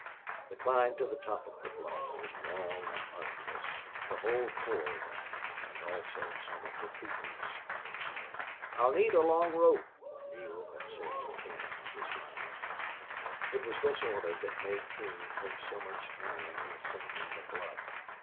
The climb to the top of the bluff was long and arduous. The whole corps went, and also some of the troopers. "I'll need a long rope," Neale had said to King, his lineman. It was this order that made King take so much time in ascending the bluff.